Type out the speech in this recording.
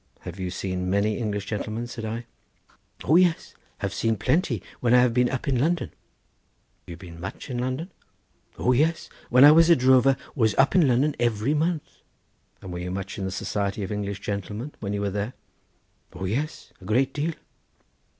"Have you seen many English gentlemen?" said I. "O yes, have seen plenty when I have been up in London." "Have you been much in London?" "O yes; when I was a drover was up in London every month." "And were you much in the society of English gentlemen when you were there?" "O yes; a great deal."